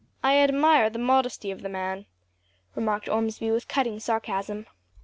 "I admire the modesty of the man," remarked Ormsby with cutting sarcasm.